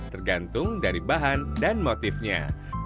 tergantung dari bahan dan motifnya